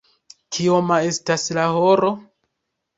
Kioma estas la horo?